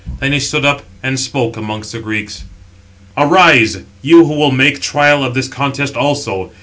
Then he stood up, and spoke amongst the Greeks: "Arise, you who will make trial of this contest also.